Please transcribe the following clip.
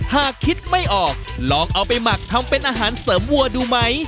หากคิดไม่ออกลองเอาไปหมักทำเป็นอาหารเสริมวัวดูไหม